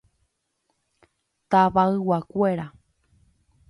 Tavayguakuéra.